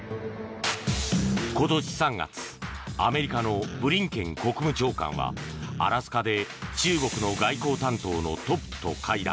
今年３月アメリカのブリンケン国務長官はアラスカで中国の外交担当のトップと会談。